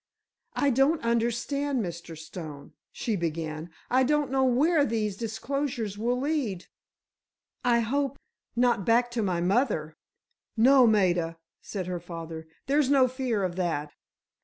"I don't understand, Mr. Stone," she began; "I don't know where these disclosures will lead. I hope, not back to my mother——" "No, Maida," said her father, "there's no fear of that."